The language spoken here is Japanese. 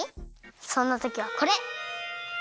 そんなときはこれ。